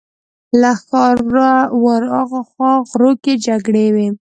له ښاره ورهاخوا غرو کې جګړې وې.